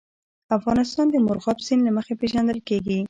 افغانستان د مورغاب سیند له مخې پېژندل کېږي.